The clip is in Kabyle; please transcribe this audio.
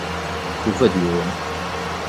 Tufa-d yiwen.